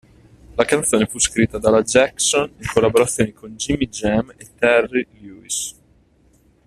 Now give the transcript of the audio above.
La canzone fu scritta dalla Jackson in collaborazione con Jimmy Jam e Terry Lewis.